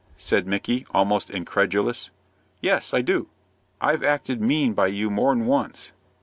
said Micky, almost incredulous. "Yes, I do." "I've acted mean by you more'n once."